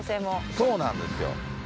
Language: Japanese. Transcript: そうなんですよ。